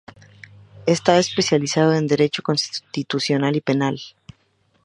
Está especializado en Derecho Constitucional y Penal.